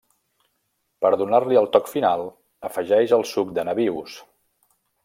Per donar-li el toc final, afegeix el suc de nabius.